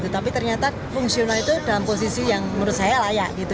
tapi ternyata fungsional itu dalam posisi yang menurut saya layak gitu